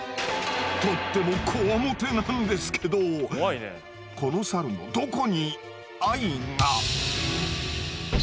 とってもこわもてなんですけどこのサルのどこに愛が。